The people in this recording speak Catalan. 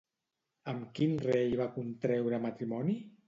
Amb quin rei va contreure matrimoni?